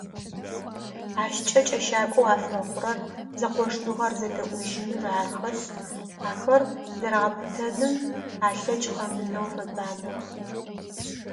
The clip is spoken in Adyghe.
Ащкӏэ кӏэщакӏоу афэхъурэр зэкъошныгъэр, зэдэӏужьыныр арыхэшъ, ахэр зэрагъэпытэным алъэкӏ къэмынэу фэбанэх.